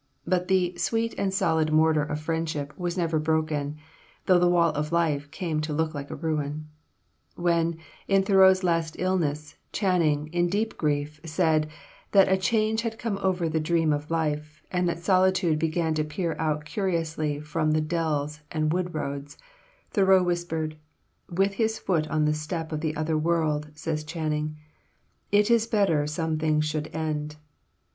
But the "sweet and solid mortar of friendship" was never broken, though the wall of life came to look like a ruin. When, in Thoreau's last illness, Channing, in deep grief, said "that a change had come over the dream of life, and that solitude began to peer out curiously from the dells and wood roads," Thoreau whispered, "with his foot on the step of the other world," says Channing, "It is better some things should end."